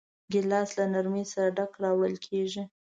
ګیلاس له نرمۍ سره ډک راوړل کېږي.